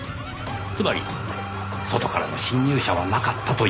つまり外からの侵入者はなかったというわけです。